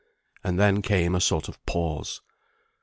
And then came a sort of pause.